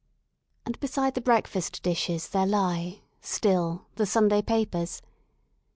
And beside the breakfast dishes there lie, still, the Sunday papers.